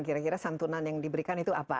kira kira santunan yang diberikan itu apa